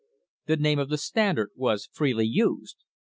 The name of the Standard was freely used.